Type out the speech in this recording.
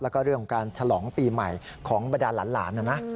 แล้วก็เรื่องของการฉลองปีใหม่ของบรรดาหลานนะนะ